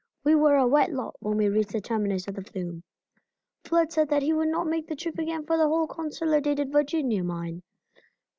We were a wet lot when we reached the terminus of the flume. Flood said that he would not make the trip again for the whole Consolidated Virginia mine.